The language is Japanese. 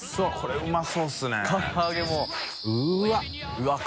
うわっ！